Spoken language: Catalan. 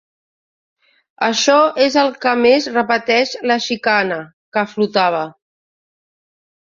Això és el que més repeteix la xicana, que flotava.